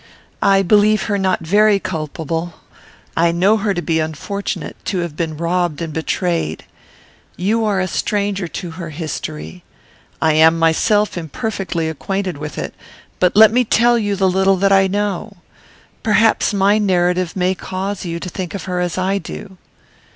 I believe her not very culpable; I know her to be unfortunate; to have been robbed and betrayed. You are a stranger to her history. I am myself imperfectly acquainted with it. "But let me tell you the little that I know. Perhaps my narrative may cause you to think of her as I do."